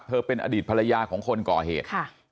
เป็นอดีตภรรยาของคนก่อเหตุ